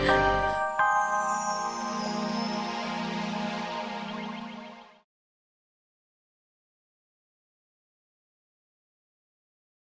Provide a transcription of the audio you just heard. tidak ada suara orang nangis